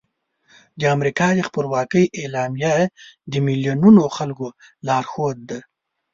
د امریکا د خپلواکۍ اعلامیه د میلیونونو خلکو لارښود ده.